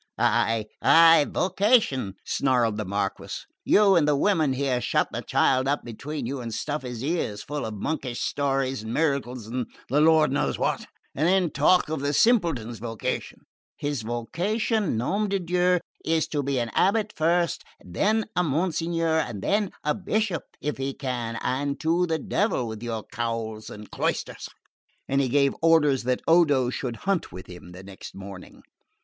"Ay, ay! vocation," snarled the Marquess. "You and the women here shut the child up between you and stuff his ears full of monkish stories and miracles and the Lord knows what, and then talk of the simpleton's vocation. His vocation, nom de Dieu, is to be an abbot first, and then a monsignore, and then a bishop, if he can and to the devil with your cowls and cloisters!" And he gave orders that Odo should hunt with him next morning.